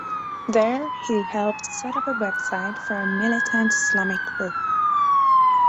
There he helped set up a website for a militant Islamic group.